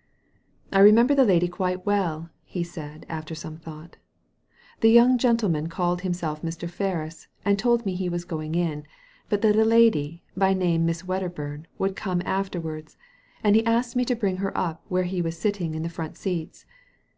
•* I remember the lady quite well," he said, after some thought " The young gentleman called him self Mr. Ferris, and told me he was going in, but that a lady, by name Miss Wed derburn, would come after* wards ; and he asked me to bring her up to where he was sitting in the front seats.